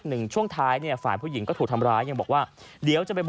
หนึ่งช่วงท้ายเนี่ยฝ่ายผู้หญิงก็ถูกทำร้าย